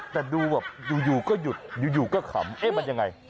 แต่ดูแบบอยู่ก็หยุดอยู่ก็ขำเอ๊ะมันยังไง